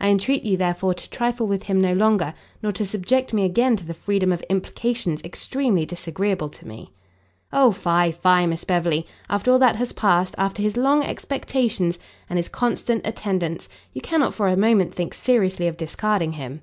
I entreat you, therefore, to trifle with him no longer, nor to subject me again to the freedom of implications extremely disagreeable to me." "O fie, fie, Miss Beverley! after all that has passed, after his long expectations, and his constant attendance, you cannot for a moment think seriously of discarding him."